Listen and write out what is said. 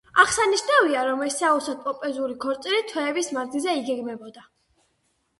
აღსანიშნავია, რომ ეს საოცრად პომპეზური ქორწილი თვეების მანძილზე იგეგმებოდა.